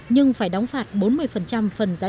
nhưng phải đóng phạt bốn mươi phần